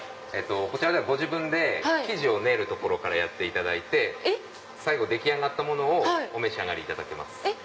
こちらではご自分で生地を練るところからやっていただいて最後出来上がったものをお召し上がりいただけます。